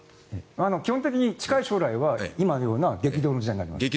基本的に近い将来は今のような激動の時代になります。